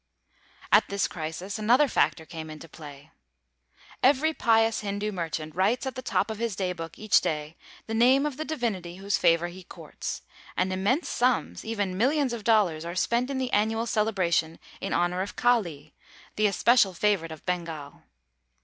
At this crisis another factor came into play. Every pious Hindoo merchant writes at the top of his day book each day the name of the divinity whose favor he courts, and immense sums even millions of dollars are spent in the annual celebration in honor of Kali, the especial favorite of Bengal.